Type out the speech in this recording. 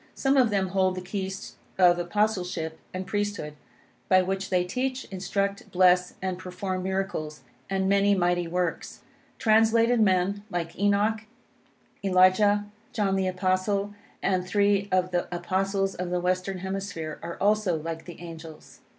Some of them hold the keys of Apostleship and Priesthood, by which they teach, instruct, bless, and perform miracles and many mighty works. Translated men, like Enoch, Elijah, John the Apostle, and three of the Apostles of the Western Hemisphere, are also like the angels.